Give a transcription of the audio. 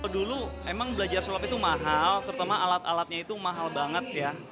dulu emang belajar slop itu mahal terutama alat alatnya itu mahal banget ya